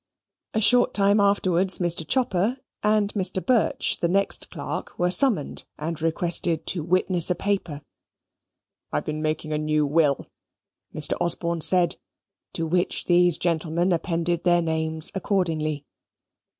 A short time afterwards Mr. Chopper and Mr. Birch, the next clerk, were summoned, and requested to witness a paper. "I've been making a new will," Mr. Osborne said, to which these gentlemen appended their names accordingly.